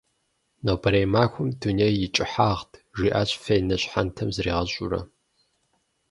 «Нобэрей махуэм дуней и кӏыхьагът», жиӏащ Фенэ щхьэнтэм зригъэщӏурэ.